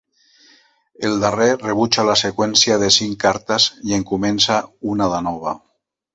El darrer rebutja la seqüència de cinc cartes i en comença una de nova.